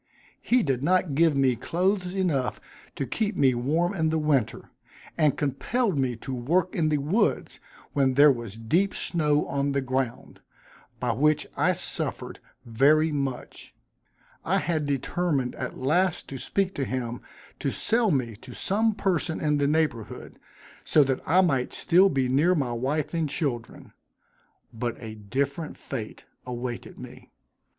He did not give me clothes enough to keep me warm in winter, and compelled me to work in the woods, when there was deep snow on the ground, by which I suffered very much. I had determined at last to speak to him to sell me to some person in the neighborhood, so that I might still be near my wife and children but a different fate awaited me.